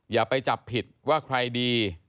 อย่าไปจับผิดว่าใครดี